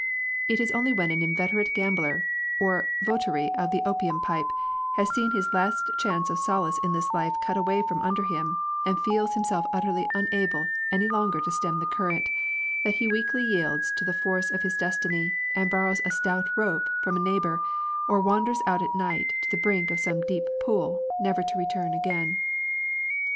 It is only when an inveterate gambler or votary of the opium pipe has seen his last chance of solace in this life cut away from under him, and feels himself utterly unable any longer to stem the current, that he weakly yields to the force of his destiny, and borrows a stout rope from a neigh bour, or wanders out at night to the brink of some deep pool never to return again.